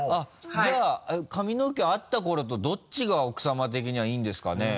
じゃあ髪の毛あった頃とどっちが奥さま的にはいいんですかね？